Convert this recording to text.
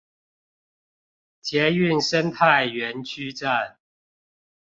捷運生態園區站